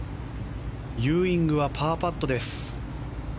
ユーイングはパーパットです。